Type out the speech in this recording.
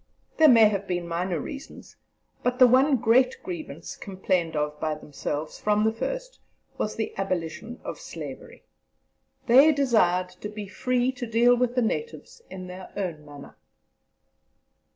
There may have been minor reasons, but the one great grievance complained of by themselves, from the first, was the abolition of slavery. They desired to be free to deal with the natives in their own manner.